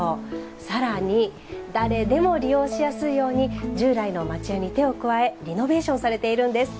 さらに誰でも利用しやすいように従来の町家に手を加えリノベーションされているんです。